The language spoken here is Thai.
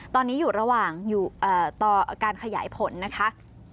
ตอนนี้อยู่ระหว่างต่อการขยายผลนะคะ